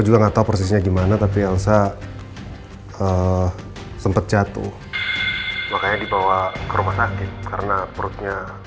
juga nggak tahu persisnya gimana tapi elsa sempat jatuh makanya dibawa ke rumah sakit karena perutnya